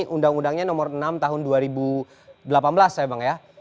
undang undangnya nomor enam tahun dua ribu delapan belas saya bang ya